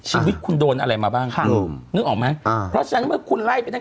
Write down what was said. ชีวิตคุณโดนเรื่องอะไรมาบ้าง